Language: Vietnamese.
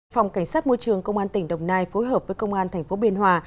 phòng cảnh sát môi trường công an tỉnh đồng nai phối hợp với công an tp biên hòa